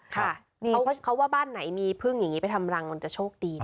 เพราะว่าเขาว่าบ้านไหนมีพึ่งอย่างนี้ไปทำรังมันจะโชคดีนะ